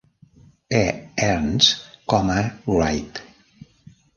E. Ernst com a Wright.